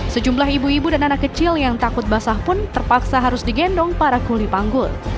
sejumlah ibu ibu dan anak kecil yang takut basah pun terpaksa harus digendong para kuli panggul